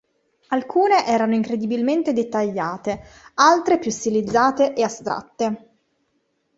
Alcune erano incredibilmente dettagliate, altre più stilizzate e astratte.